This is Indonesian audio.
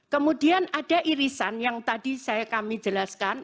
kemudian ada irisan yang tadi kami jelaskan